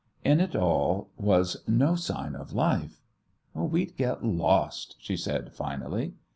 In it all was no sign of life. "We'd get lost," she said, finally.